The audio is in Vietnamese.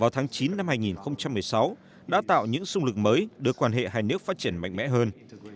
tháng chín năm hai nghìn một mươi sáu đã tạo những xung lực mới đưa quan hệ hai nước phát triển mạnh mẽ hơn